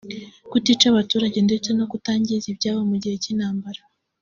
kutica abaturage ndetse no kutangiza ibyabo mu gihe cy’intambara